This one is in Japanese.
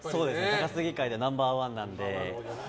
高杉界ではナンバー１なので。